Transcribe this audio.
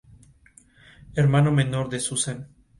Ejemplos de la vida real son Planeamiento y Asignación de recursos.